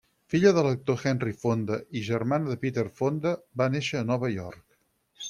Filla de l'actor Henry Fonda i germana de Peter Fonda, va néixer a Nova York.